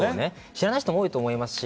知らない人も多いんだと思います。